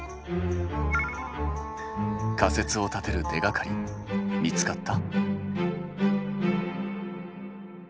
仮説を立てる手がかり見つかった？